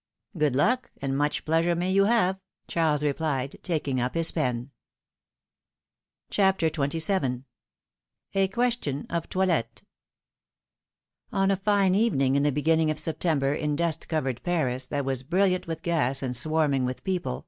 ^^" Good luck, and much pleasure may you have/^ Charles replied, taking up his pen. philomI:ne's maeriages. 203 CHAPTER XXVIT. A QUESTION OF TOILETTE. O X a fine evening in the beginning of September, in dust covered Paris, that was brilliant with gas, and swarming with people.